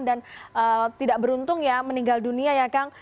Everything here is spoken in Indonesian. dan tidak beruntung ya meninggal dunia ya kang